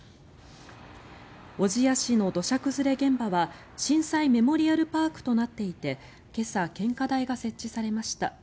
小千谷市の土砂崩れ現場は震災メモリアルパークとなっていて今朝、献花台が設置されました。